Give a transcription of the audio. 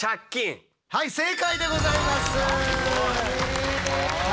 はい正解でございます！